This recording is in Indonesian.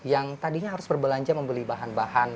yang tadinya harus berbelanja membeli bahan bahan